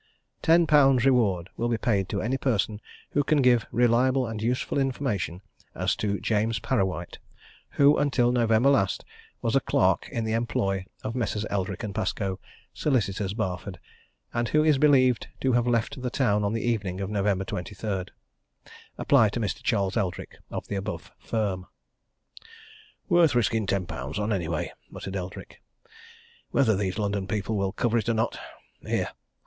"TEN POUNDS REWARD will be paid to any person who can give reliable and useful information as to James Parrawhite, who until November last was a clerk in the employ of Messrs. Eldrick & Pascoe, Solicitors, Barford, and who is believed to have left the town on the evening of November 23. Apply to Mr. CHARLES ELDRICK, of the above firm." "Worth risking ten pounds on anyway," muttered Eldrick. "Whether these London people will cover it or not. Here!"